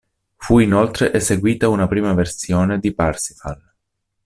Fu inoltre eseguita una prima versione di Parsifal.